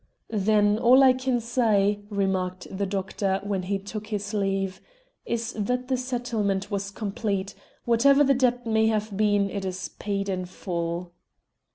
"Then all I can say," remarked the doctor, when he took his leave, "is that the settlement was complete. Whatever the debt may have been, it is paid in full!"